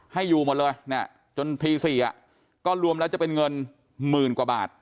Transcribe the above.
ให้อยู่หมดเลยจนที๔ก็รวมแล้วจะเป็นเงิน๑๐๐๐๐กว่าบาท